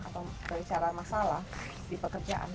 bicara masalah di pekerjaan